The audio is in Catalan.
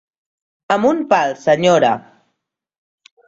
Amb un pal, senyora.